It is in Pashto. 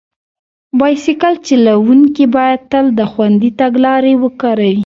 بایسکل چلونکي باید تل د خوندي تګ لارې وکاروي.